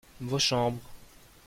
vos chambres.